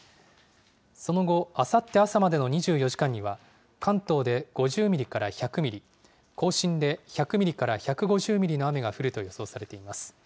その後、あさって朝までの２４時間には、関東で５０ミリから１００ミリ、甲信で１００ミリから１５０ミリの雨が降ると予想されています。